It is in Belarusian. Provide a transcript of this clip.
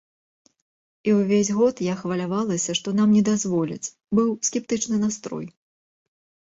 І ўвесь год я хвалявалася, што нам не дазволяць, быў скептычны настрой.